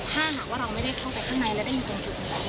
ถ้าหากว่าเราไม่ได้เข้าไปข้างในแล้วได้อยู่ตรงจุดไหน